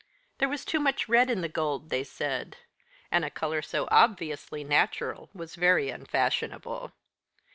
There was too much red in the gold, they said, and a colour so obviously natural was very unfashionable.